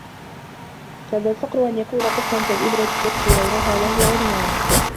كاد الفقر أن يكون كفراً كالإبرة تكسي غيرها وهي عريانة